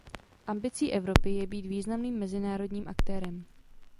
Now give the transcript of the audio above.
Ambicí Evropy je být významným mezinárodním aktérem.